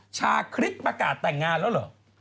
ชาคริสประกาศแต่งงานแล้วเหรอ